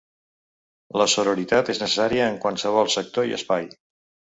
La sororitat és necessària en qualsevol sector i espai.